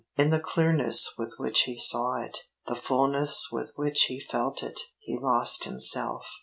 In the clearness with which he saw it, the fullness with which he felt it, he lost himself.